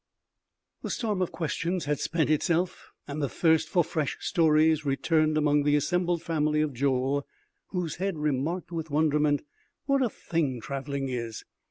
The storm of questions had spent itself and the thirst for fresh stories returned among the assembled family of Joel, whose head remarked with wonderment: "What a thing traveling is?